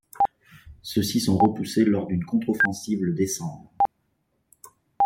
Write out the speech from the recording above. Ceux-ci sont repoussés lors d'une contre-offensive le décembre.